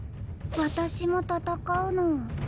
私も戦うの。